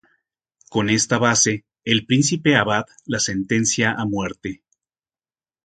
Con esta base, el príncipe abad la sentencia a muerte.